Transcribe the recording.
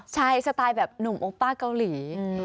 ใช่สไตล์แบบหนุ่มโอป้าเกาหลี